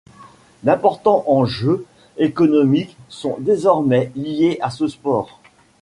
D'importants enjeux économiques sont désormais liés à ce sport.